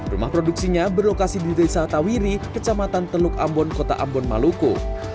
rumah produksinya berlokasi di desa tawiri kecamatan teluk ambon kota ambon maluku